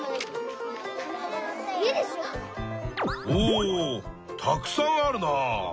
おたくさんあるな。